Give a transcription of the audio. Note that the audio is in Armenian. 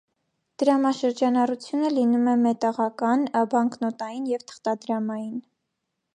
Դրամաշրջանառությունը լինում է մետաղական, բանկնոտային և թղթադրամային։